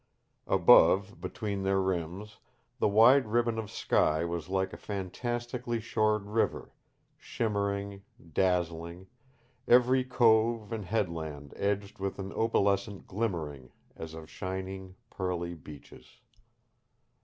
Above, between their rims the wide ribbon of sky was like a fantastically shored river, shimmering, dazzling; every cove and headland edged with an opalescent glimmering as of shining pearly beaches.